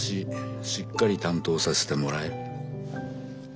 しっかり担当させてもらえ。